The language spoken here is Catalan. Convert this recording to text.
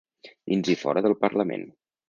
Dins i fora del parlament.